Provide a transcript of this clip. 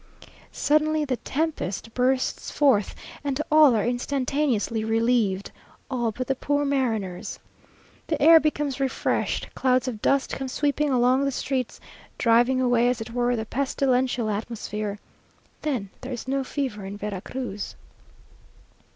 Suddenly the tempest bursts forth; and all are instantaneously relieved all but the poor mariners! The air becomes refreshed clouds of dust come sweeping along the streets, driving away, as it were, the pestilential atmosphere. Then there is no fever in Vera Cruz.